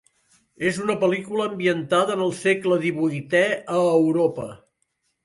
És una pel·lícula ambientada en el segle divuitè a Europa.